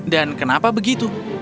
dan kenapa begitu